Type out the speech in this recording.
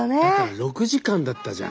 ６時間だったじゃん。